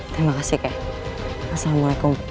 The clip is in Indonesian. terima kasih kakek assalamualaikum